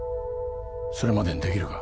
それまでにできるか？